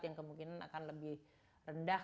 yang kemungkinan akan lebih rendah